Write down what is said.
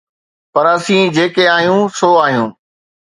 پر اسين جيڪي آهيون سو آهيون.